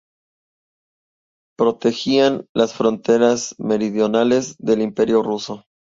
Protegían las fronteras meridionales del Imperio ruso.